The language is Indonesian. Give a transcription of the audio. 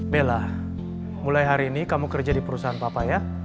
bella mulai hari ini kamu kerja di perusahaan papa ya